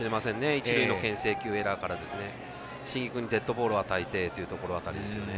一塁のけん制球エラーから椎木君にデッドボールを与えてというところ辺りですね。